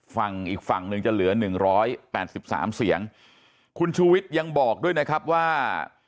ฝั่งอีกฝั่งหนึ่งจะเหลือ๑๘๓เสียงคุณชวิสยังบอกด้วยนะครับว่า